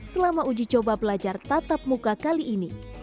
selama uji coba belajar tatap muka kali ini